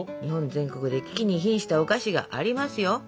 日本全国で危機に瀕したお菓子がありますよ。